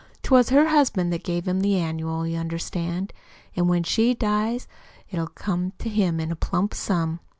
'Twas her husband that gave him the annual, you understand, an' when she dies it'll come to him in a plump sum.